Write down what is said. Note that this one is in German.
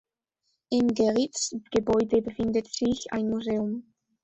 Im Gerichtsgebäude befindet sich ein Museum.